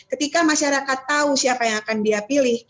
ketika masyarakat tahu siapa yang akan dia pilih